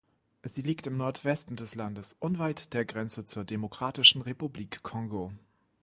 Sie liegt im Nordwesten des Landes, unweit der Grenze zur Demokratischen Republik Kongo.